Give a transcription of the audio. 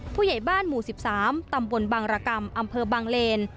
ผู้ใหญ่บ้านหมู่๑๓ตำบลบังรกรรมอำเภอบังเลน